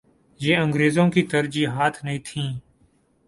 یہ انگریزوں کی ترجیحات نہیں تھیں۔